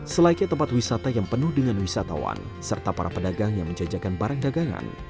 selayaknya tempat wisata yang penuh dengan wisatawan serta para pedagang yang menjajakan barang dagangan